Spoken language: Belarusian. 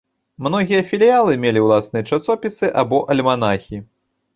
Многія філіялы мелі ўласныя часопісы або альманахі.